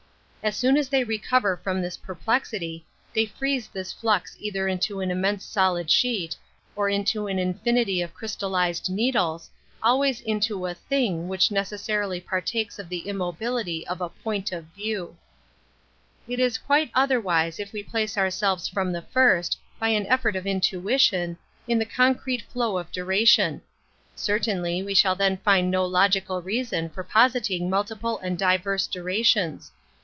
As soon as they i ecover from this perplexity, they freeze this flux either into an immense solid sheet, or into an finity of crystallized needles, always into ih ing which necessarily partakes of immobility of a point of viev}. It is quite otherwise if we place our selves from the first, by an effort of intu ition, in the concrete flow of duration. Certainly, we shall then find no logical reason for positing multiple and diverse durations.